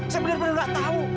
saya bener bener gak tau